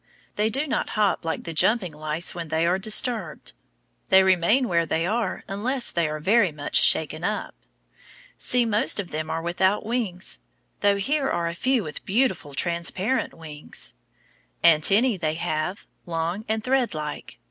They do not hop like the jumping plant lice when they are disturbed. They remain where they are unless they are very much shaken up. See, most of them are without wings, though here are a few with beautiful transparent wings. Antennæ they have, long and threadlike.